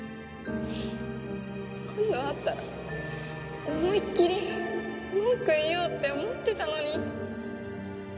今度会ったら思いっきり文句言おうって思ってたのに。